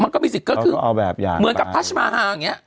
มันก็มีสิทธิ์ก็คือเหมือนกับทัชมาฮาอย่างนี้